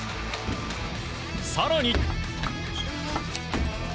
更に。